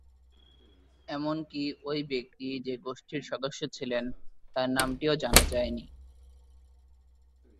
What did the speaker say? এমনকি ওই ব্যক্তি যে গোষ্ঠীর সদস্য ছিলেন, তার নামটিও জানা যায়নি।